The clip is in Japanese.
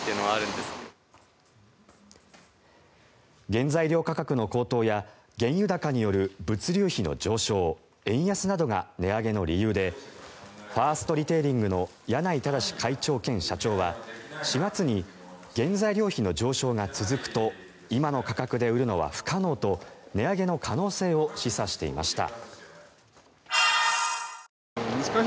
原材料価格の高騰や原油高による物流費の上昇円安などが値上げの理由でファーストリテイリングの柳井正会長兼社長は４月に原材料費の上昇が続くと今の価格で売るのは不可能と値上げの可能性を示唆していました。